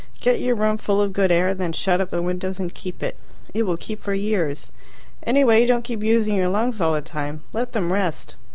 Get your room full of good air, then shut up the windows and keep it. It will keep for years. Anyway, don't keep using your lungs all the time. Let them rest.